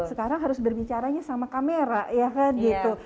sekarang harus berbicaranya sama kamera ya kan gitu